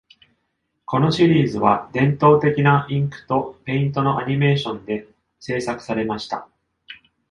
このシリーズは、伝統的なインクとペイントのアニメーションで制作されました。